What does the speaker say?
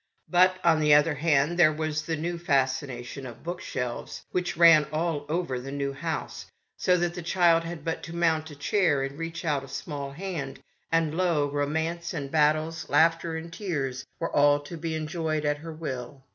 But, on the other hand, there was the new fascination of book shelves, which ran all over the new house, so that the child had but to mount a chair and reach out a small hand, and lo ! romance and battles, laughter and tears, were all to be enjoyed at her will.